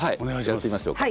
やってみましょうか。